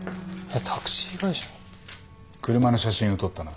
車の写真を撮ったな。